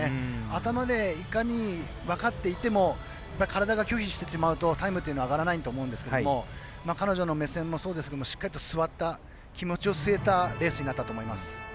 頭で、いかに分かっていても体が拒否してしまうとタイムっていうのは上がらないと思うんですけど彼女の目線もそうですけどしっかりと気持ちを据えたレースになったと思います。